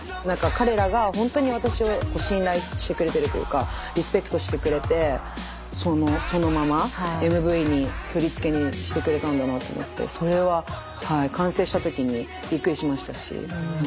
何か彼らがほんとに私を信頼してくれてるというかリスペクトしてくれてそのままＭＶに振り付けにしてくれたんだなと思ってそれは完成した時にびっくりしましたし。